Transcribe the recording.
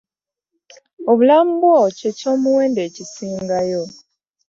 Obulamu bwo kye ky'omuwendo ekisingayo.